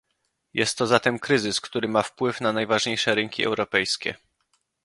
Jest to zatem kryzys, który ma wpływ na najważniejsze rynki europejskie